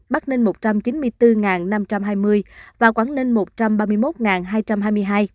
bắc ninh một trăm chín mươi bốn năm trăm hai mươi và quảng ninh một trăm ba mươi một hai trăm hai mươi hai